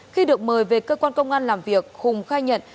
khi được mời về cơ quan công an làm việc hùng khai nhận